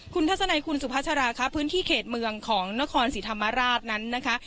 คุณทัศนัยคุณสุภาษาราค่ะพื้นที่เขตเมืองของนครศรีธรรมราชนั้นนะคะ